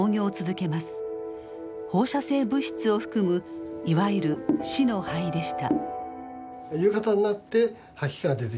放射性物質を含むいわゆる死の灰でした。